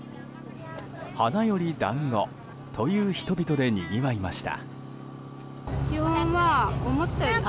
花より団子という人々でにぎわいました。